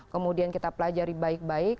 kemudian kita pelajari baik baik